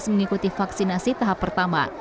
mengikuti vaksinasi tahap pertama